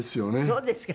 そうですか？